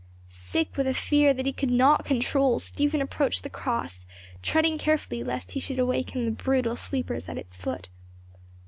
Sick with a fear that he could not control, Stephen approached the cross, treading carefully lest he should awaken the brutal sleepers at its foot.